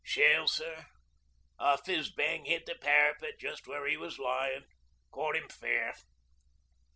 'Shell, sir. A Fizz Bang hit the parapet just where 'e was lyin'. Caught 'im fair.'